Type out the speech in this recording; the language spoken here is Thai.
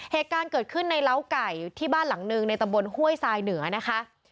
เหตุการณ์เกิดขึ้นในเล้าไก่ที่บ้านหลังหนึ่งในตำบลห้วยทรายเหนือนะคะ